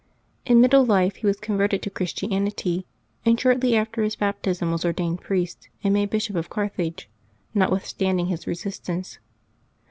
In middle life he was converted to Christianity, and shortly after his baptism was ordained priest, and made Bishop of Carfhage, notwithstanding his resistance.